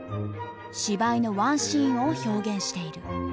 芝居のワンシーンを表現している。